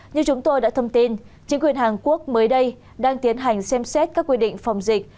như chúng tôi đã thông tin chính quyền hàn quốc mới đây đang tiến hành xem xét các quy định phòng dịch